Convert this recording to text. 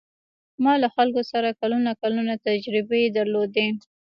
ما له خلکو سره کلونه کلونه تجربې درلودې.